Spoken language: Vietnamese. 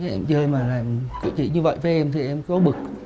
em chơi mà làm cái gì như vậy với em thì em có bực